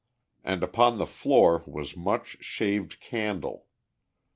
And upon the floor was much shaved candle.